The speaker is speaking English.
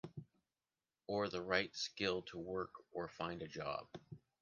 Or the right skills to work or finding a job.